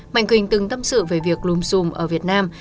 mạnh quỳnh từng tâm sự về việc lùm xùm ở việt nam